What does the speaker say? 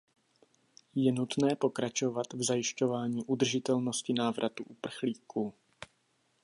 Je nutné pokračovat v zajišťování udržitelnosti návratu uprchlíků.